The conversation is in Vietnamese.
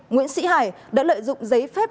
nguyễn sĩ hải đã lợi dụng giấy phép